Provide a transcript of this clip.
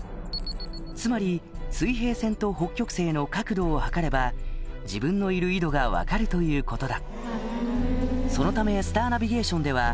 つまり水平線と北極星の角度を測れば自分のいる緯度が分かるということだ